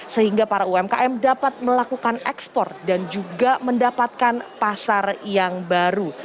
sehingga para umkm dapat melakukan ekspor dan juga mendapatkan pasar yang baru